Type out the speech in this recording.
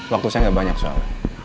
waktu saya gak banyak soal